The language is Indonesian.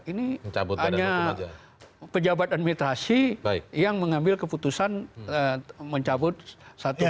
ini hanya pejabat administrasi yang mengambil keputusan mencabut satu